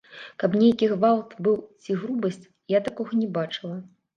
Каб нейкі гвалт быў ці грубасць, я такога не бачыла.